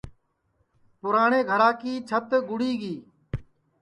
پُراٹِؔیں گھرا کی چھت گُڑی گی